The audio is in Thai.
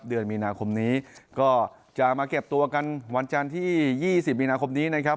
เดือนมีนาคมนี้ก็จะมาเก็บตัวกันวันจันทร์ที่๒๐มีนาคมนี้นะครับ